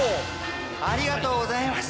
ありがとうございます。